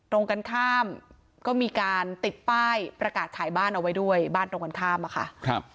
ตรงกันข้ามก็มีการติดป้ายประกาศขายบ้านเอาไว้ด้วยบ้านตรงกันข้ามอะค่ะ